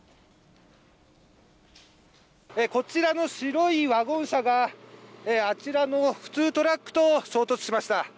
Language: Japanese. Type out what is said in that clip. こちらの白いワゴン車が、あちらの普通トラックと衝突しました。